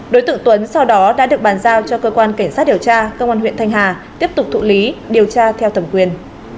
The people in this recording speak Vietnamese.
đối tượng tuấn sau đó đã được bàn giao cho cơ quan cảnh sát điều tra công an huyện thanh hà tiếp tục thụ lý điều tra theo thẩm quyền